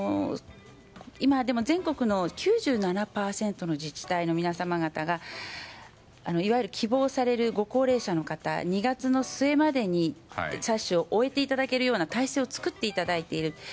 今は全国の９７％の自治体の皆様方がいわゆる希望されるご高齢者の方２月の末までに接種を終えていただけるような体制を作っていただいている。